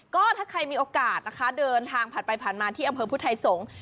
ก็ถ้าใครมีโอกาสนะคะเดินทางผ่านไปผ่านมาที่อำเภอพุทธไทยสงศ์